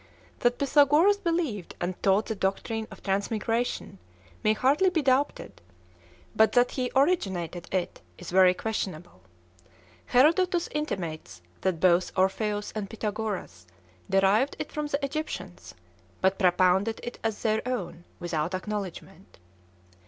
That Pythagoras believed and taught the doctrine of transmigration may hardly be doubted, but that he originated it is very questionable. Herodotus intimates that both Orpheus and Pythagoras derived it from the Egyptians, but propounded it as their own, without acknowledgment.